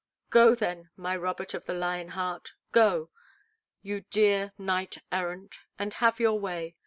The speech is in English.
"Go, then, my Robert of the lion heart, go, you dear knight errant, and have your way.